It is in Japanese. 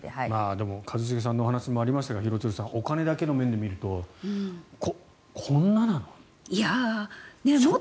でも一茂さんのお話にもありましたが廣津留さんお金だけの面で見るとこんななのっていう。